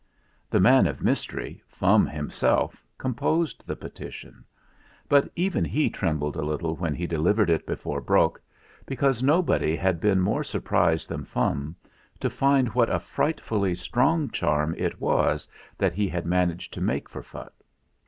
The man of mystery, Fum him 42 THE FLINT HEART self, composed the petition; but even he trembled a little when he delivered it before Brok, because nobody had been more surprised than Fum to find what a frightfully strong charm it was that he had managed to make for Phutt.